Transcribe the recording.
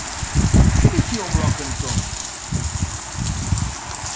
¿Que dicía o Bloque entón?